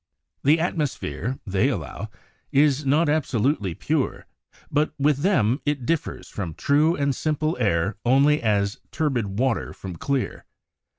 The atmosphere, they allow, is not absolutely pure, but with them it differs from true and simple air only as turbid water from clear.